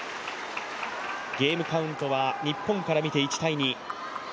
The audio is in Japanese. ゲームカウントは日本から見て１−２。